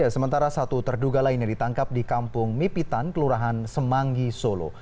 sementara satu terduga lainnya ditangkap di kampung mipitan kelurahan semanggi solo